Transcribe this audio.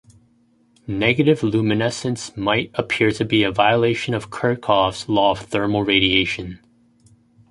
Negative luminescence might appear to be a violation of Kirchhoff's law of thermal radiation.